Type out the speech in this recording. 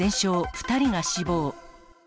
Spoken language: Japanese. ２人が死亡。